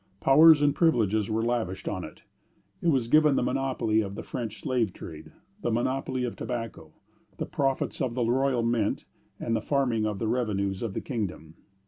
Powers and privileges were lavished on it. It was given the monopoly of the French slave trade, the monopoly of tobacco, the profits of the royal mint, and the farming of the revenues of the kingdom.